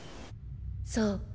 そう。